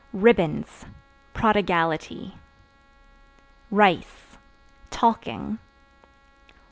Ribbons Prodigality. Rice Talking.